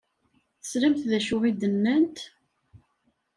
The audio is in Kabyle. Teslamt d acu i d-nnant?